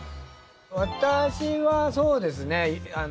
私はそうですね。